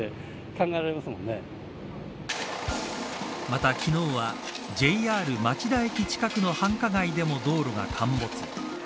また昨日はＪＲ町田駅近くの繁華街でも道路が陥没。